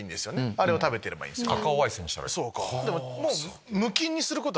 あれを食べてればいいんですよね。